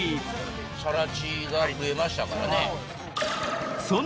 更地が増えましたからね。